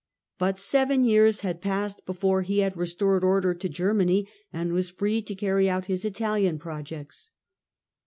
But seven years had passed before he had restored order to Germany, and was free to carry out his Italian projects.